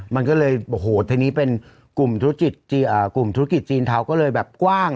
เพราะมันที่ที่๓ที่๔ใช่ไหมล่ะ